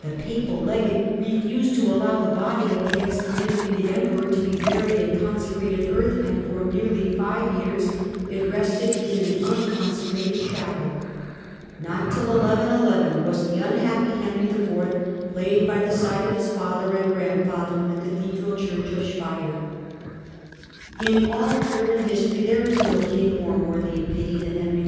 The papal legate refused to allow the body of the excommunicated Emperor to be buried in consecrated earth, and for nearly five years it rested in an unconsecrated chapel. Not till 1111 was the unhappy Henry IV. laid by the side of his father and grandfather in the cathedral church of Speier. In all German history there is no king more worthy of pity than Henry IV.